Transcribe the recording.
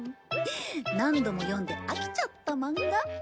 何度も読んで飽きちゃったマンガ。